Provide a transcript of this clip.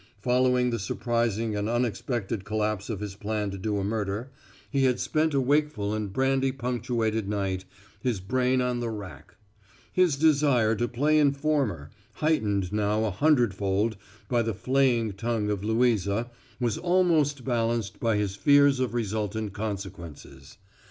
Following the surprising and unexpected collapse of his plan to do a murder, he had spent a wakeful and brandy punctuated night, his brain on the rack. His desire to play informer, heightened now a hundred fold by the flaying tongue of Louisa, was almost balanced by his fears of resultant consequences.